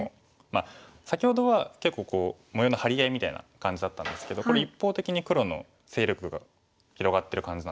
まあ先ほどは結構模様の張り合いみたいな感じだったんですけどこれ一方的に黒の勢力が広がってる感じなんですよね。